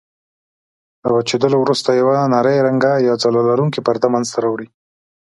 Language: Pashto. له وچېدلو وروسته یوه نرۍ رنګه یا ځلا لرونکې پرده منځته راوړي.